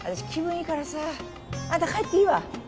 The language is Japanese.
いいからさあんた帰っていいわ。